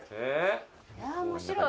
いや面白い。